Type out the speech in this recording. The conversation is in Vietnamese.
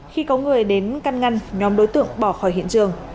khi có người đến căn ngăn nhóm đối tượng bỏ khỏi hiện trường